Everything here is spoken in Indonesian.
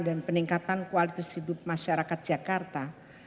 peningkatan kualitas hidup masyarakat jakarta